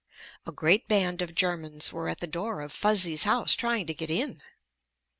A great band of Germans were at the door of Fuzzy's house trying to get in!